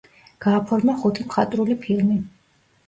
გააფორმა ხუთი მხატვრული ფილმი.